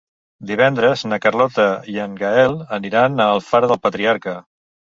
Divendres na Carlota i en Gaël aniran a Alfara del Patriarca.